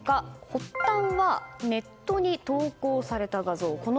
発端は、ネットに投稿された画像。